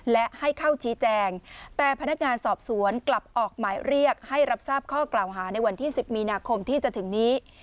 และให้เข้าชี้แจงแต่พนักงานสอบสวนกลับออกหมายเรียกให้รับทราบข้อกล่าวหาในวันที่๑๐มีนาคมที่จะถึงนี้